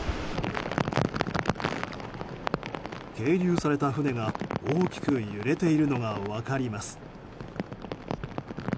係留された船が、大きく揺れているのが分かります。